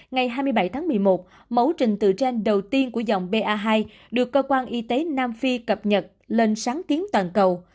ngày hai mươi bảy tháng một mươi một mẫu trình tựa gen đầu tiên của dòng ba hai được cơ quan y tế nam phi cập nhật lên sáng kiếm toàn cầu